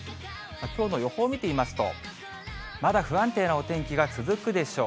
きょうの予報を見てみますと、まだ不安定なお天気が続くでしょう。